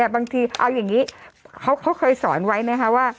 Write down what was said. บางทีเอาอย่างนี้เขาเคยสอนไว้ไหมคะว่า